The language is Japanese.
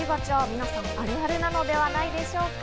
皆さん、あるあるなのではないでしょうか。